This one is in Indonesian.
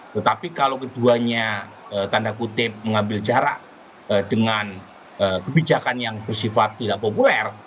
tetapi kalau keduanya tanda kutip mengambil jarak dengan kebijakan yang bersifat tidak populer